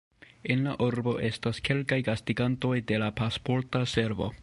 En la urbo estas kelkaj gastigantoj de la Pasporta Servo.